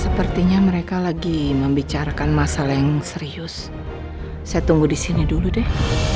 sepertinya mereka lagi membicarakan masalah yang serius saya tunggu di sini dulu deh